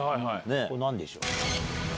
これ何でしょう？